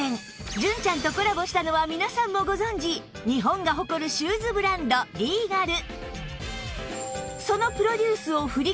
純ちゃんとコラボしたのは皆さんもご存じ日本が誇るシューズブランド ＲＥＧＡＬ